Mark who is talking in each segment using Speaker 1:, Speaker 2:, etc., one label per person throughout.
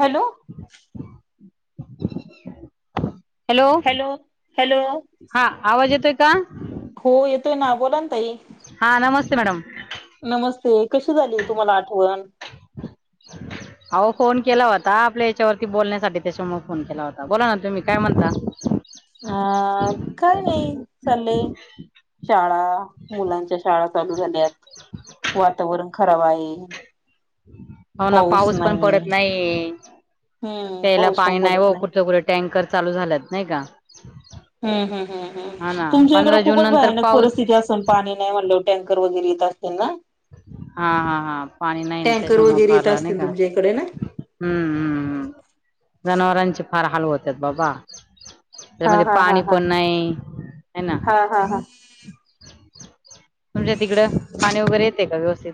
Speaker 1: Hello.
Speaker 2: Hello. हा आवाज येतोय का?
Speaker 1: हो येतोय ना बोला ना ताई.
Speaker 2: हा नमस्ते मॅडम
Speaker 1: नमस्ते. कशी झाली तुम्हाला आठवण.
Speaker 2: [inaudible] आहो फोन केला होता आपल्या याच्यावरती बोलण्यासाठी त्याच्यामुळे फोन केला होता बोला ना तुम्ही काय म्हणता.
Speaker 1: हा काय नाही चालंय. शाळा मुलांच्या शाळा चालू झाल्यात. वातावरण खराब आहे.
Speaker 2: हो ना पाऊस पण पडत नाहीये
Speaker 1: हम्म
Speaker 2: प्यायला
Speaker 1: पाऊस
Speaker 2: पाणी
Speaker 1: पण
Speaker 2: नाही
Speaker 1: पडत
Speaker 2: ओ, कुठं. टँकर चालू झाल्यात नाही का.
Speaker 1: हु, हु,
Speaker 2: हा ना
Speaker 1: तुमच्या इकडें
Speaker 2: पंधरा जून
Speaker 1: खूपच
Speaker 2: नंतर
Speaker 1: भयानक
Speaker 2: पाऊस
Speaker 1: परिस्थिती असते. पाणी नाही म्हणलं वर, टँकर वगैरे येत असतील ना
Speaker 2: हा हा हा पाणी नाही
Speaker 1: टँकर
Speaker 2: त्याच्यामुळे
Speaker 1: वगैरे येत
Speaker 2: बरं नाही
Speaker 1: असतील
Speaker 2: का.
Speaker 1: तुमच्या इकडे ना
Speaker 2: हु, हु, हु, जनावरांची फार हाल, होत्यात बाबा.
Speaker 1: हा
Speaker 2: त्यामध्ये
Speaker 1: हा हा
Speaker 2: पाणी
Speaker 1: हा
Speaker 2: पण नाही आहे ना.
Speaker 1: हा हा हा
Speaker 2: म्हणजे तिकडं पाणी वगैरे येते का व्यवस्थित.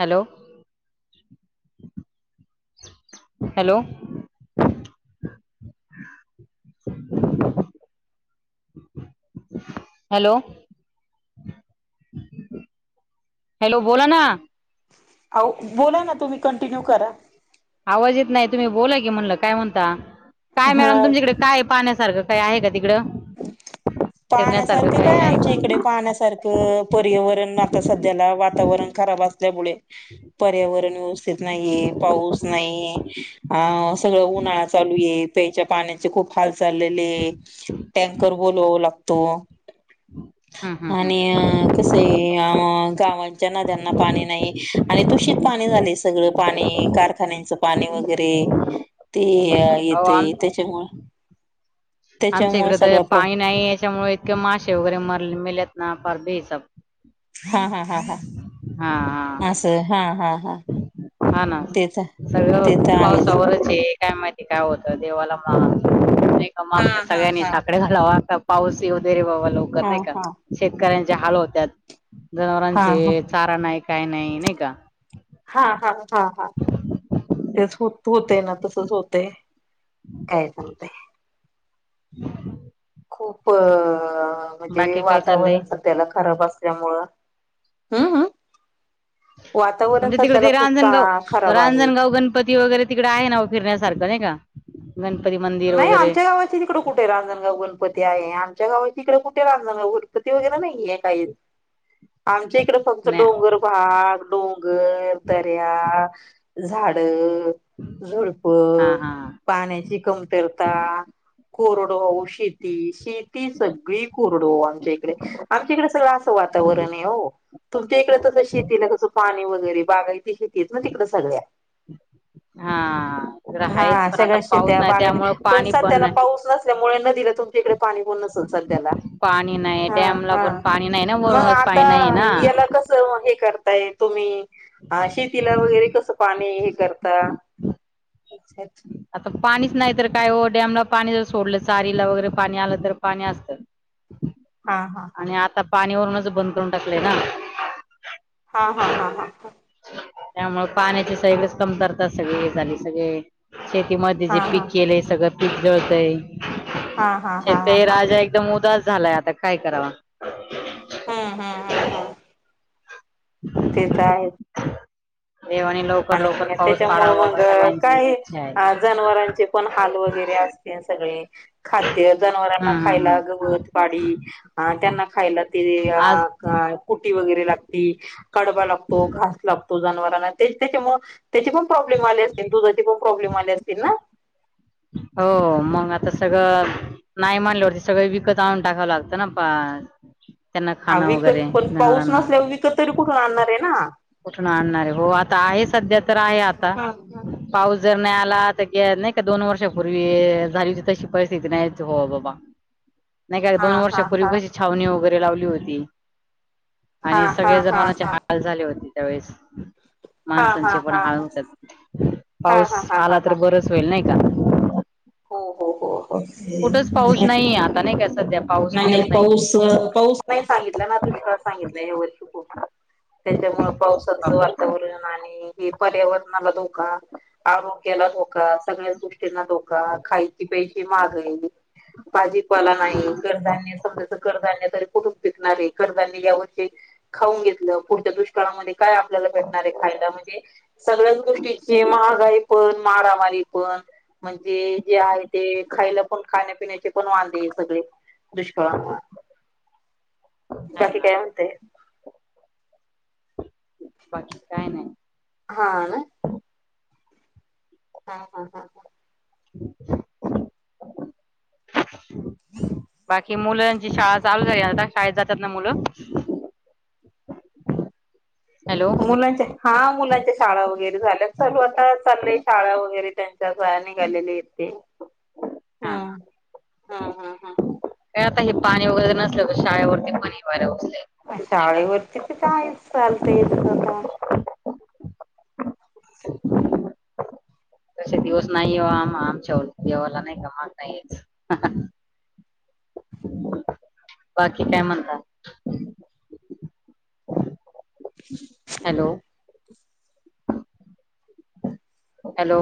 Speaker 2: Hello hello hello. हॅलो, बोला ना.
Speaker 1: आव बोला ना तुम्ही कंटिन्यू करा.
Speaker 2: आवाज येत नाही तुम्ही बोला की म्हणलं काय म्हणता, काय
Speaker 1: हा
Speaker 2: मॅडम तुमच्याकडे काय पाण्यासारखं. काय आहे का तिकडं.
Speaker 1: पाण्यासारख
Speaker 2: फिरण्यासारखं काही
Speaker 1: काय
Speaker 2: आहे का
Speaker 1: आमच्या इकडे
Speaker 2: हम्म
Speaker 1: पाण्यासारखं पर्यावरण आता सध्याला वातावरण खराब असल्यामुळे पर्यावरण व्यव स्थित नाहीे पाऊस नाही आ सगळ उन्हाळा चालू आहे प्याच्या पाण्या च खूप हाल चाललेले, टँकर बोलवावं लागतो.
Speaker 2: हम्म
Speaker 1: आणि
Speaker 2: हम्म
Speaker 1: आता तसे अ गावांच्या नद्यांना पाणी नाही आणि दूषित पाणी झालय सगळं पाणी. कारखान्यांचं पाणी वगैरे ते
Speaker 2: अहो आम
Speaker 1: येतंय त्याच्यामुळ
Speaker 2: आमच्या इकड तर
Speaker 1: प्रॉ
Speaker 2: पाणी नाही याच्यामुळे इतके मासे वगैरे मर मेल्यात ना पार बे हिसब.
Speaker 1: हा हा हा हा.
Speaker 2: हा.
Speaker 1: असं हा हा. हा
Speaker 2: हा ना
Speaker 1: तेच ते तर
Speaker 2: सगळं
Speaker 1: आहेच.
Speaker 2: पावसावरच हे. काय माहिती काय होतं देवाला माग नाही
Speaker 1: हा
Speaker 2: का [unintelligible]
Speaker 1: हा
Speaker 2: सगळ्यांनी
Speaker 1: हा हा.
Speaker 2: साकडे घालावा पाऊसी वगैरे बाबा लवकर
Speaker 1: हा
Speaker 2: नाही का,
Speaker 1: हा
Speaker 2: शेतकऱ्यांचे हाल होत्यात,
Speaker 1: हा
Speaker 2: जनावरांचे
Speaker 1: हा.
Speaker 2: सारा नाही काय नाही नाही का.
Speaker 1: हा हा हा हा, तेच हो होतय ना तसच होतय. काय सांगतय.
Speaker 2: [inaudible]
Speaker 1: खूप म्हणजे
Speaker 2: बाकी काय चाललंय
Speaker 1: वातावरण त्याला खराब असल्यामुळ, हम.
Speaker 2: म्हणजे तिकडे ते
Speaker 1: खूप चा
Speaker 2: रांजणगाव,
Speaker 1: खराब आहे.
Speaker 2: रांजणगाव गणपती वगैरे तिकड आहे ना ओ फिरण्यासारखं नाही का. गणपती मं
Speaker 1: नाही आमच्या गावात तिकडे कुठे रांजणगाव गणपती आहे आमच्या गावात तिकडे कुठे रांजण [unintelligible] गणपती वगैरे नाहीेये काही. आमच्या इकड आमच
Speaker 2: नाही
Speaker 1: डोंगर भाग डोंगर, दर्या, झाड झुडप
Speaker 2: हा हा
Speaker 1: पाण्याची कम तरता, कोरुडव शेती शे ती सगळी कोरुडव आमच्या इकडे आमच्या इकडे सगळं असं वातावरण आहे हो. तुमच्या इकडे तसं शेतीला कसं पाणी वगैरे बागा [unintelligible] शेती आहेत ना तिकड सगळ्या.
Speaker 2: हा जरा हाईत
Speaker 1: हा
Speaker 2: पर्यंत
Speaker 1: सगळ्या
Speaker 2: पाऊस
Speaker 1: शेत्या
Speaker 2: नाही
Speaker 1: बागायती
Speaker 2: त्यामुळ
Speaker 1: पण सध्याला पाऊस नसल्यामुळ नदीला तुमच्या इकडे पाणी होण नसल सध्याला.
Speaker 2: पाणी नाही
Speaker 1: हा
Speaker 2: डॅम ला
Speaker 1: हा
Speaker 2: पण पाणी नाही ना
Speaker 1: मग
Speaker 2: वरूनच
Speaker 1: आता
Speaker 2: पाणी नाही ना.
Speaker 1: [unintelligible] हे करताय तुम्ही, आ शेतीला वगैरे कस पाणी हे करता [unintelligible]
Speaker 2: आता पाणीच नाही तर काय ओ डॅमला पाणी जर सोडलं चारीला वगैरे पाणी आलं तर पाणी असतं.
Speaker 1: हा हा
Speaker 2: आणि आता पाणीवरूनच बंद करून टाकलंय ना.
Speaker 1: हा हा हा हा.
Speaker 2: त्यामूळं पाण्याची सैलच कमतरतात सगळी झाली सगळे. शेतीमध्ये जे
Speaker 1: हा
Speaker 2: पीक
Speaker 1: हा
Speaker 2: केलेय सगळं पिकजड होतय
Speaker 1: हा हा हा हा हा
Speaker 2: शेता
Speaker 1: हा.
Speaker 2: राजा आहे एकदम उदास झालाय आता काय करावा.
Speaker 1: हां हां.
Speaker 2: [unintelligible]
Speaker 1: ते तर आहे.
Speaker 2: देवाणी लव
Speaker 1: आणि त्याच्यामुळं मग काही
Speaker 2: इच्छा आहे
Speaker 1: आ जनावरांचे पण हाल वगैरे असत्या सगळे. खाद्य जनावरांना
Speaker 2: हम्म हम्म
Speaker 1: खायला
Speaker 2: हम्म
Speaker 1: गवत, पाडी अ त्यांना खायला ते अ
Speaker 2: आज
Speaker 1: काय कुटी वगैरे लागते कडवा लागतो घास लागतो जनावरांना तेच त्याच्यामुळं त्याचे पण प्रॉब्लेम आले असतील दुधाचे पण प्रॉब्लेम आले असतील ना.
Speaker 2: हो मंग आता सगळं नाही म्हणल्यावरती सगळं विकत आणून टाकावं लागतं ना पाज.
Speaker 1: हा विकत पण पाऊस नसल्यावर विकत तरी कुठून आणणार आहे ना.
Speaker 2: कुठून आणणार आहे हो आता आहे सध्या तर आहे आता
Speaker 1: हा
Speaker 2: पाऊस जर नाही आला तर गेल नाही का दोन वर्षापूर्वी झाली होती तशी परिस्थिती नाहीच हो बाबा. नाही का
Speaker 1: हा
Speaker 2: दोन
Speaker 1: हा
Speaker 2: वर्षापूर्वी कशी छावणी वगैरे लावली होती.
Speaker 1: हा
Speaker 2: आणि
Speaker 1: हा हा
Speaker 2: सगळे
Speaker 1: हा
Speaker 2: जनावरांचे
Speaker 1: हा
Speaker 2: हाल झाले होते त्यावेेळेस.
Speaker 1: हा हा
Speaker 2: माणसांचे पण
Speaker 1: हा हा
Speaker 2: हाळ होत्यात
Speaker 1: हा हा
Speaker 2: पाऊस
Speaker 1: हा हा
Speaker 2: आला
Speaker 1: हा
Speaker 2: तर
Speaker 1: हा
Speaker 2: बरच होईल नाही का.
Speaker 1: हो हो हो हो हो. [unintelligible]
Speaker 2: त्या सध्या पाऊ
Speaker 1: नाही नाही पाऊस पाऊस नाही सांगितला ना दुष्काळ सांगितलं या वर्षी. [unintelligible] त्याच्यामुळे पावसाचं
Speaker 2: आहे
Speaker 1: वातावरण नाणी हे पर्यावरणाला धोका, आरोग्याला धोका सगळ्या गोष्टींना धो का खायती पैशी मागली. भाजीपाला नाही कर्धान्य [unintelligible] कर्धान्य तरी कुठं पिकणार आहे करधान्य या वर्षी खाऊन घेतलं पुढच्या दुष्काळामध्ये काय आपल्याला भेटणार आहे खायला म्हणजे सगळ्याच गोष्टीची महागाई पण मारामारी पण जे जे आहे ते खायला पण खाण्यापिण्याचे पण वांदे सगळे दुष्काळमुळं बाकी
Speaker 2: ना
Speaker 1: काय म्हणते?
Speaker 2: बाकी काय नाय.
Speaker 1: हा ना. हा हा हा.
Speaker 2: [unintelligible]
Speaker 1: [unintelligible]
Speaker 2: बाकी मुलांची शाळा चालू झाली आता शाळेत जातात ना मुलं. हॅलो. हा
Speaker 1: मुलांच्या हा मुलांच्या शाळा वगैरे झाल्या चालू आता चालले शाळा वगैरे त्यां. त्या [unintelligible] निघालेले येते. हां.
Speaker 2: काय आता हे पाणी वगैरे नसलं तर शाळेवरती मणी वार्या बसले.
Speaker 1: शाळेवरती तर काहीच चालते स्वतः.
Speaker 2: तसे दिवस नाही ओ आम आमच्यावर देवाला नाही का अणता यायचं. बाकी काय म्हणता? Hello
Speaker 1: [inaudible]
Speaker 2: hello.